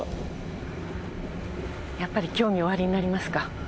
やっぱり興味おありになりますか？